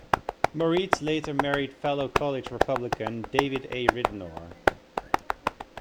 Moritz later married fellow College Republican David A. Ridenour.